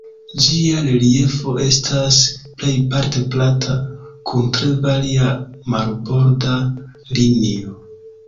Ĝia reliefo estas plejparte plata, kun tre varia marborda linio.